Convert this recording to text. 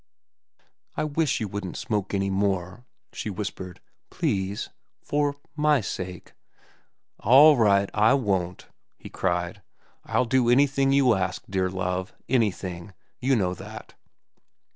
"I wish you wouldn't smoke any more," she whispered. "Please, for—my sake." "All right, I won't," he cried. "I'll do anything you ask, dear love, anything; you know that."